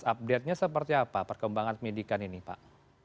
update nya seperti apa perkembangan penyidikan ini pak